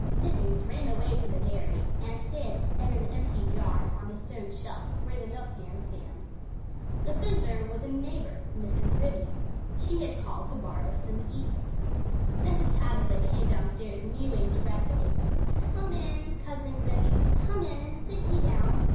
Mittens ran away to the dairy and hid in an empty jar on the stone shelf where the milk pans stand. The visitor was a neighbor, Mrs. Ribby; she had called to borrow some yeast. Mr. Tabitha came downstairs mewing dreadfully "Come in, Cousin Ribby, come in, and sit ye down!